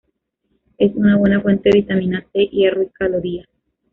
Es una buena fuente de vitamina C, hierro y calorías.